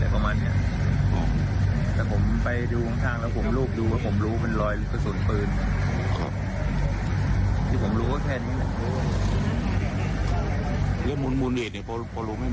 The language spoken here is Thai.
แล้วผมไปดูข้างไปดูมาตรงนี้ว่าผมรู้ลอยสุดพื้น